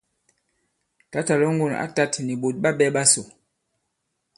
Tǎtà Lɔ̌ŋgòn ǎ tāt nì ɓòt ɓa ɓɛ̄ ɓasò.